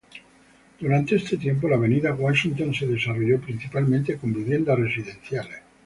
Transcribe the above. Durante este tiempo, la avenida Washington se desarrolló principalmente con viviendas residenciales.